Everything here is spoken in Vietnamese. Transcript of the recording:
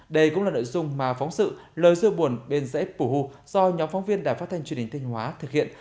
đây cũng là nội dung mà phóng sự lời dưa buồn bên dễ phủ hù do nhóm phóng viên đài phát thanh truyền hình thanh hóa thực hiện